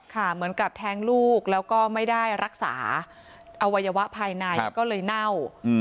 เหมือนกับแทงลูกแล้วก็ไม่ได้รักษาอวัยวะภายในก็เลยเน่า